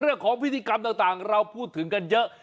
เรื่องของพิธีกรรมต่างเราพูดถึงกันเยอะ